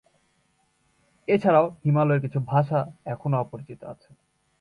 এছাড়াও হিমালয়ের কিছু ভাষা এখনো অপরিচিত আছে।